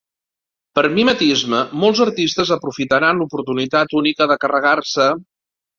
Per mimetisme molts artistes aprofitaran l'oportunitat única de carregar-se...